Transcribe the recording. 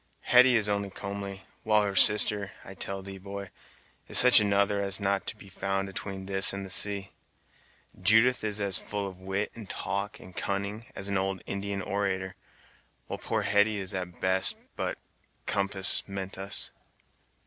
Hetty is only comely, while her sister, I tell thee, boy, is such another as is not to be found atween this and the sea: Judith is as full of wit, and talk, and cunning, as an old Indian orator, while poor Hetty is at the best but 'compass' meant us."